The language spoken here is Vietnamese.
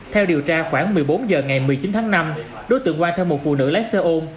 theo điều tra khoảng một mươi bốn h ngày một mươi chín tháng năm đối tượng quang theo một phụ nữ lái xe ôm